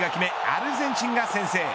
アルゼンチンが先制。